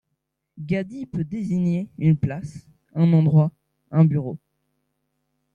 Gaddi peut désigner une place, un endroit, un bureau.